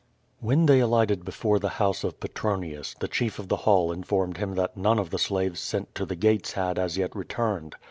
When they alighted before the house of Petronius, the chief of the hall informed him that none of the slaves sent to the gates had as yet returned.